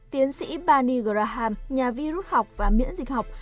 tiến sĩ barney graham nhà vi rút học và miễn dịch học